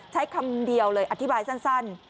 ใช้คำเดียวเลยอธิบายสั้น